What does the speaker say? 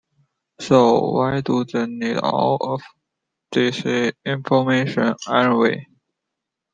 So, why do they need all of this information anyway?